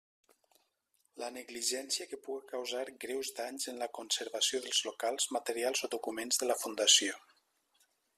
La negligència que puga causar greus danys en la conservació dels locals, material o documents de la Fundació.